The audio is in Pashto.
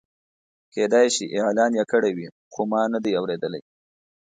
کېدای شي اعلان یې کړی وي خو ما نه دی اورېدلی.